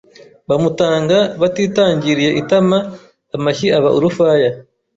bamutanga batitangiriye itama amashyi aba urufaya.